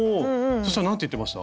そしたら何て言ってました？